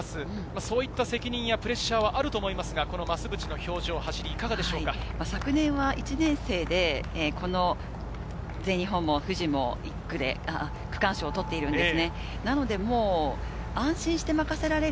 そういった責任やプレッシャーはあると思いますが、表情、走り、昨年は１年生で全日本も富士も１区で区間賞を取っているんです。